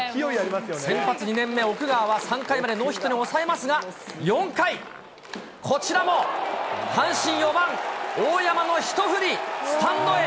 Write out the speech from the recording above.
先発２年目、奥川は３回までノーヒットに抑えますが、４回、こちらも阪神、４番大山の一振り、スタンドへ。